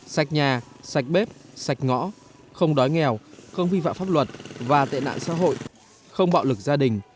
sạch nhà sạch bếp sạch ngõ không đói nghèo không vi phạm pháp luật và tệ nạn xã hội không bạo lực gia đình